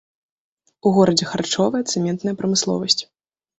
У горадзе харчовая, цэментная прамысловасць.